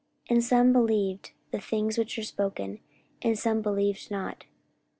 44:028:024 And some believed the things which were spoken, and some believed not.